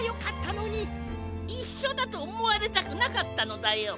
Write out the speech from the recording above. いっしょだとおもわれたくなかったのだよ。